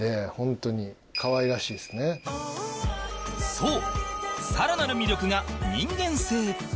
そう更なる魅力が人間性